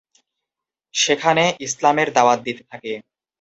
সেখানে ইসলামের দাওয়াত দিতে থাকে।